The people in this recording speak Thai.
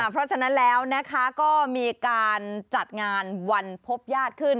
เพราะฉะนั้นแล้วก็มีการจัดงานวันพบญาติขึ้น